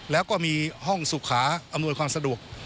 แล้วก็มีห้องสุขาอำนวยความสะดวก